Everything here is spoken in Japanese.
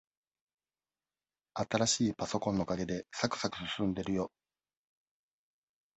新しいパソコンのおかげで、さくさく進んでるよ。